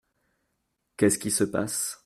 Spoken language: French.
Qu’est-ce qui se passe ?